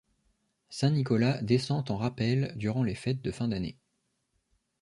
Saint Nicolas descend en rappel durant les fêtes de fin d'année.